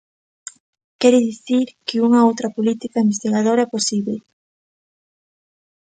Quere dicir que unha outra política investigadora é posíbel.